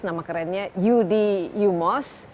nama kerennya yudi umos